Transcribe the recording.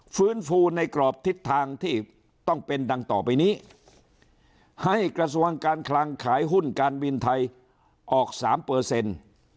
ฟื้นฟูในกรอบทิศทางที่ต้องเป็นดังต่อไปนี้ให้กระทรวงการคลังขายหุ้นการบินไทยออกสามเปอร์เซ็นต์